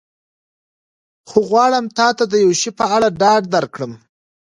خو غواړم تا ته د یو شي په اړه ډاډ درکړم.